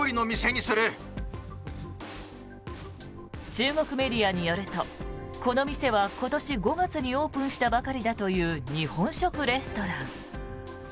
中国メディアによるとこの店は今年５月にオープンしたばかりだという日本食レストラン。